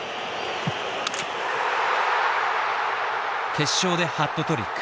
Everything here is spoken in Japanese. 決勝でハットトリック。